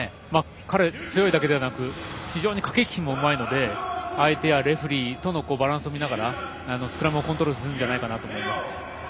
彼は強いだけじゃなくて駆け引きもうまいので相手やレフリーとのバランスを見てスクラムをコントロールすると思います。